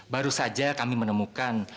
baru saja kami menemukan